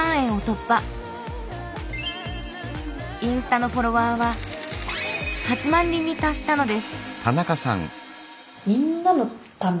インスタのフォロワーは８万人に達したのです。